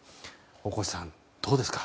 大越さん、どうですか？